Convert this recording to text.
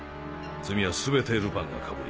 罪は全てルパンがかぶり